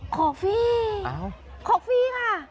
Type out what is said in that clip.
อ่อโคฟี่โคฟี่ค่ะ